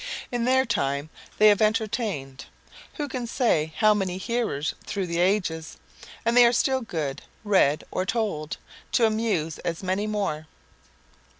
In their time they have entertained who can say how many hearers through the ages? And they are still good read or told to amuse as many more.